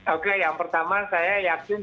oke yang pertama saya yakin